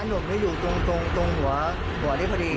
หลบนี้อยู่ตรงหัวนี้พอดี